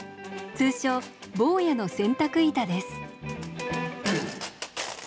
通称坊屋の洗濯板です。